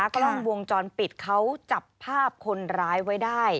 กล้องวงจรปิดเขาจับภาพคนร้ายไว้ได้